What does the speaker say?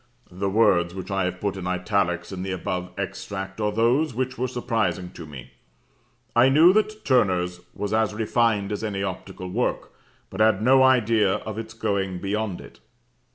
"The words which I have put in italics in the above extract are those which were surprising to me. I knew that Turner's was as refined as any optical work, but had no idea of its going beyond it.